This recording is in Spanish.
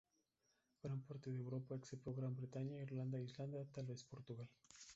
Gran parte de Europa, excepto Gran Bretaña, Irlanda e Islandia; Tal vez Portugal.